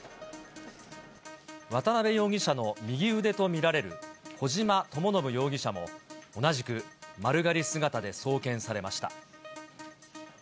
渡辺容疑者の右腕と見られる小島智信容疑者も、同じく丸刈り姿で送検されました。